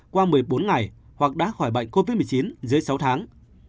qua một mươi bốn ngày hoặc đã khỏi bệnh covid một mươi chín dưới sáu tháng